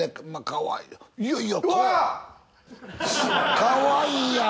かわいいやん！